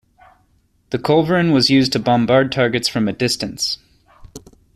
The culverin was used to bombard targets from a distance.